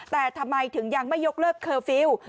แต่ทำไมถึงยังไม่ยกเลิกเคอร์ฟิลล์